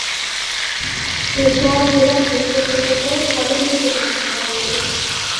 পেশাওয়ার জেলা ভূ-কৌশলগতভাবে গুরুত্বপূর্ণ স্থানে অবস্থিত।